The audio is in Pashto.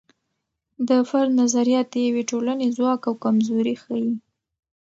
د فرد نظریات د یوې ټولنې ځواک او کمزوري ښیي.